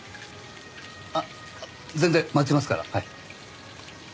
あっ全然待ちますからはい。